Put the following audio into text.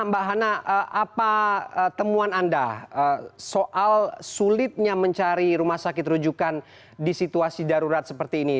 mbak hana apa temuan anda soal sulitnya mencari rumah sakit rujukan di situasi darurat seperti ini